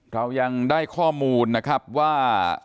เรายังได้ข้อมูลนะครับว่า